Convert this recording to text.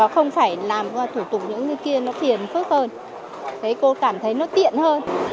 không phải làm thủ tục như kia nó tiền phức hơn cô cảm thấy nó tiện hơn